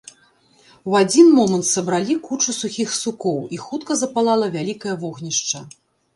У адзін момант сабралі кучу сухіх сукоў, і хутка запалала вялікае вогнішча.